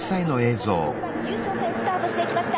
優勝戦スタートしていきました。